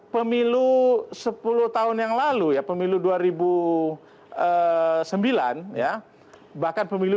pemilu sepuluh tahun yang lalu ya pemilu dua ribu sembilan ya bahkan pemilu dua ribu empat belas